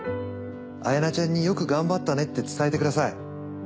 彩名ちゃんに「よく頑張ったね」って伝えてください。